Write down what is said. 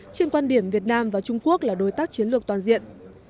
trên quan điểm việt nam và trung quốc là đối tác chiến lược toàn diện